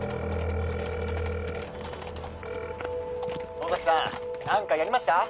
☎野崎さん何かやりました？